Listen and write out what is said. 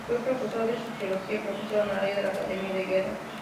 Fue profesor de sociología y profesor honorario de la Academia de Guerra.